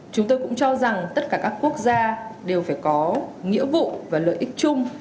chúng tôi cũng cho rằng tất cả các quốc gia đều phải có nghĩa vụ và lợi ích chung